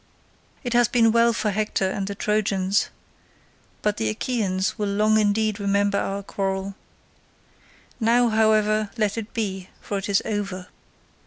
It has been well for Hector and the Trojans, but the Achaeans will long indeed remember our quarrel. Now, however, let it be, for it is over.